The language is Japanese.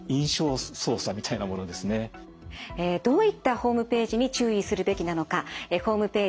えどういったホームページに注意するべきなのかホームページ